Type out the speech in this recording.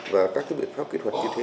và các cái biện pháp kỹ thuật như thế